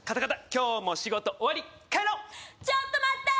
今日も仕事終わり帰ろうちょっと待ったー！